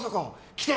来て！